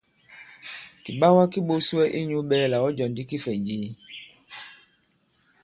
Kìɓawa ki ɓōs wɛ i nyū ɓɛ̄ɛlà ɔ̀ jɔ ndī kifɛ̀nji?